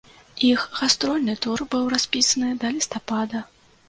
Іх гастрольны тур быў распісаны да лістапада.